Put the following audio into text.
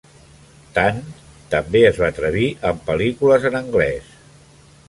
Tan també es va atrevir amb pel·lícules en anglès.